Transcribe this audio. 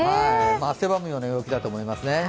汗ばむような陽気だと思いますね。